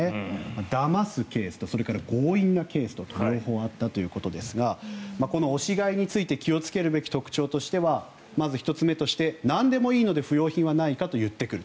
だますケースとそれから強引なケースと両方あったということですがこの押し買いについて気をつけるべき特徴としてはまず１つ目としてなんでもいいので不用品はないかと言ってくる。